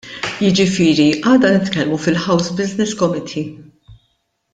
Jiġifieri għada nitkellmu fil-House Business Committee.